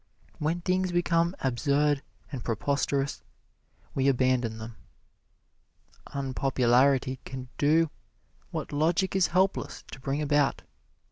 When things become absurd and preposterous, we abandon them. Unpopularity can do what logic is helpless to bring about.